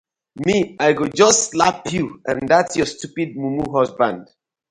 Mi I go just slap yu and dat yur stupid mumu husband.